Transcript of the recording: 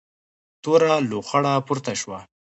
توره لوخړه پورته شوه.